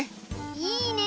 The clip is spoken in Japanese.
いいね！